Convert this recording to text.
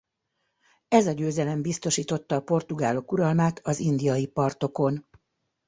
Ez a győzelem biztosította a portugálok uralmát az indiai partokon.